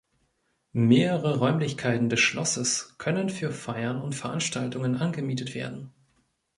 Mehrere Räumlichkeiten des Schlosses können für Feiern und Veranstaltungen angemietet werden.